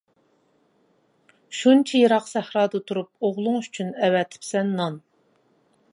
شۇنچە يىراق سەھرادا تۇرۇپ، ئوغلۇڭ ئۈچۈن ئەۋەتىپسەن نان.